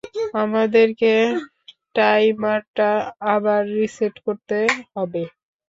আমাদেরকে টাইমারটা আবার রিসেট করতে হবে!